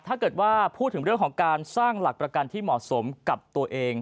ถ้าเกิดว่าพูดถึงเรื่องของการสร้างหลักประกันที่เหมาะสมกับตัวเอง